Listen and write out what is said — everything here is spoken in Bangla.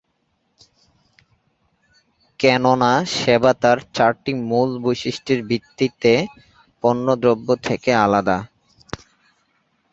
কেননা সেবা তার চারটি মূল বৈশিষ্ট্যের ভিত্তিতে পণ্যদ্রব্য থেকে আলাদা।